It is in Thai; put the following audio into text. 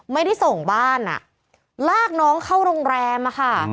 ไม่ได้ส่งบ้านอ่ะลากน้องเข้าโรงแรมอะค่ะ